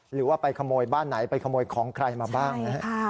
หรือว่าไปขโมยบ้านไหนไปขโมยของใครมาบ้างนะฮะ